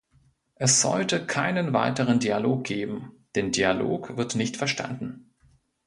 Es sollte keinen weiteren Dialog geben, denn Dialog wird nicht verstanden.